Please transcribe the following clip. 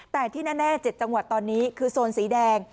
แต่ที่แน่๗จังหวัดตอนนี้คือโซนสีแดง